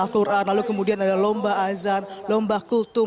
lalu kemudian ada lomba azan lomba kultum